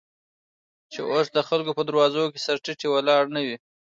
چې اوس دخلکو په دروازو، کې سر تيټى ولاړ نه وې.